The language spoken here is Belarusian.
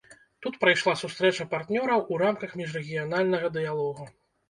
Тут прайшла сустрэча партнёраў у рамках міжрэгіянальнага дыялогу.